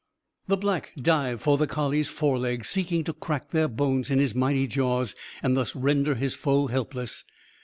The Black dived for the collie's forelegs, seeking to crack their bones in his mighty jaws and thus render his foe helpless.